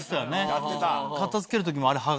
やってた。